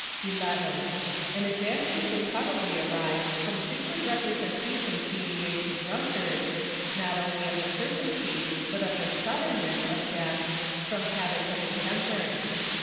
11. An advantage would probably arise from frequent representations being made to drunkards, not only of the certainty, but of the suddenness of death, from habits of intemperance.